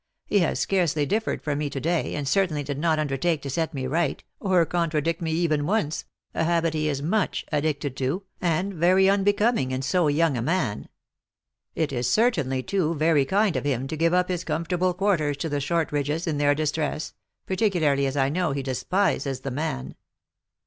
He has scarce ly differed from me to day, and certainly did not un dertake to set me right, or contradict me even once, a habit he is much addicted to, and very unbecoming in so young a man ! It is certainly, too, very kind of him to give up his comfortable quarters to the Short ridges, in their distress, particularly as I know he de spises the man."